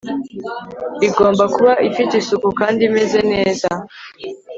igomba kuba ifite isuku kandi imeze neza